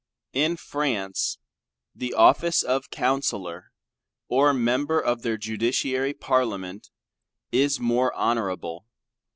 In France, the office of Counsellor or Member of their Judiciary Parliaments is more honorable.